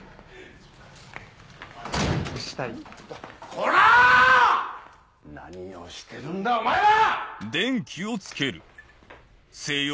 ・こら‼何をしてるんだお前ら！